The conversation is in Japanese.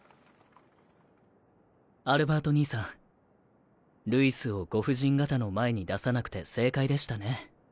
アルバート兄さんルイスをご婦人方の前に出さなくて正解でしたね。